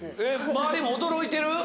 周りも驚いてる？